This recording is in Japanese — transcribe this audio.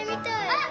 あっ！